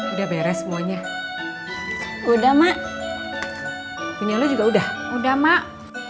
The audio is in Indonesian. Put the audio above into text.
udah beres semuanya udah mak minionnya juga udah udah mak